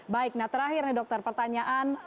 baik nah terakhir nih dokter pertanyaan